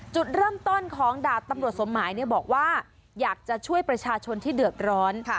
จุดเริ่มต้นของดาบตำรวจสมหมายบอกว่าอยากจะช่วยประชาชนที่เดือดร้อน